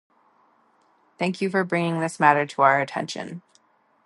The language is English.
Thank you for bringing this matter to our attention.